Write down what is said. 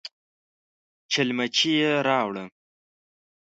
چلمچي يې راووړ.